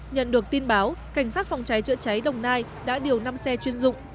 nhận được tin báo cảnh sát phòng cháy chữa cháy đồng nai đã điều năm xe chuyên dụng